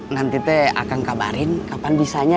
nanti aku akan kabarin kapan bisa ya